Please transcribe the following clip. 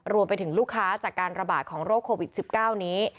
รวมถึงลูกค้าจากการระบาดของโรคโควิด๑๙นี้